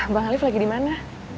bang alif lagi dimana